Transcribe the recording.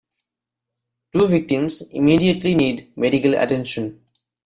Two victims immediately need medical attention.